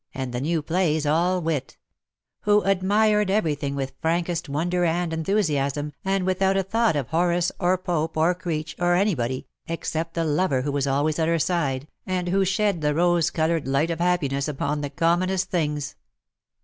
145 and the new plays all wit — who admired everything with frankest wonder and enthusiasm^ and without a thought of Horace^ or Pope, or Creech, or any body, except the lover who was always at her side, and who shed the rose coloured light of happi ness upon the commonest things.